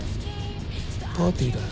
パーティーだよ。